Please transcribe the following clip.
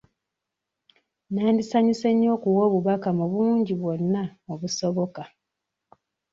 Nandisanyuse nnyo okuwa obubaka mu bungi bwonna obusoboka.